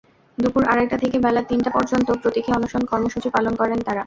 দুপুর আড়াইটা থেকে বেলা তিনটা পর্যন্ত প্রতীকী অনশন কর্মসূচি পালন করেন তাঁরা।